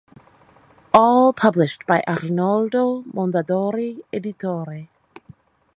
All published by Arnoldo Mondadori Editore.